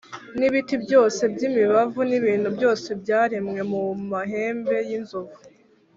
n’ibiti byose by’imibavu n’ibintu byose byaremwe mu mahembe y’inzovu,